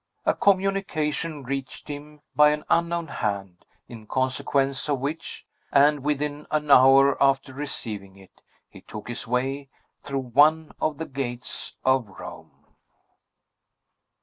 A communication reached him by an unknown hand, in consequence of which, and within an hour after receiving it, he took his way through one of the gates of Rome.